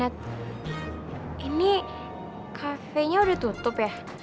nah ini kafenya udah tutup ya